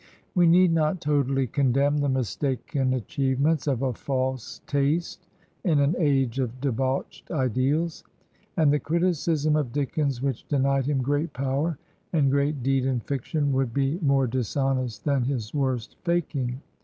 We need not totally condemn the mistaken achievements of a false taste in an age of de bauched ideals; and the criticism of Dickens which denied him great power and great deed in fiction would be more dishonest than his worst faking.